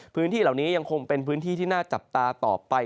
พื้นที่เหล่านี้ยังคงเป็นพื้นที่ที่น่าจับตาต่อไป